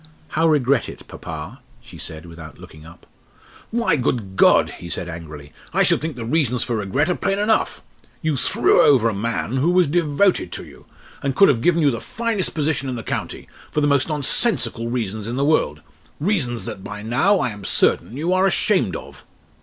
"How regret it, papa?" she said, without looking up. "Why, good God!" he said angrily; "I should think the reasons for regret are plain enough. You threw over a man who was devoted to you, and could have given you the finest position in the county, for the most nonsensical reasons in the world reasons that by now, I am certain, you are ashamed of."